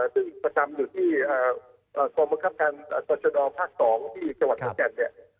ซึ่งประจำอยู่ที่กรมบังคับการตรชดภาค๒ที่จังหวัดขอนแก่นเนี่ย